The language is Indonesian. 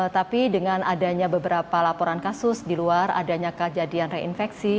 tapi dengan adanya beberapa laporan kasus di luar adanya kejadian reinfeksi